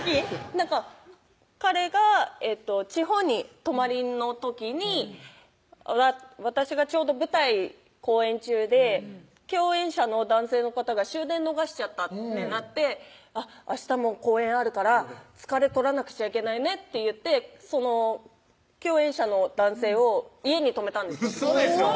なんか彼が地方に泊まりの時に私がちょうど舞台公演中で共演者の男性の方が終電逃しちゃったってなって「明日も公演あるから疲れ取らなくちゃいけないね」って言ってその共演者の男性を家に泊めたんですよウソでしょ？